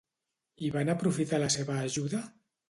I van aprofitar la seva ajuda?